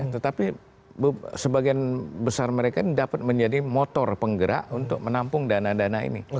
tetapi sebagian besar mereka ini dapat menjadi motor penggerak untuk menampung dana dana ini